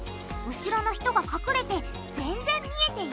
後ろの人が隠れてぜんぜん見えていない。